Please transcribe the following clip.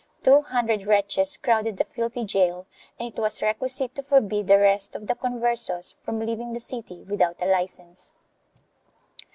Two hundred wretches crowded the filthy gaol and it was requisite to forbid the rest of the Converses from leaving the city without a license.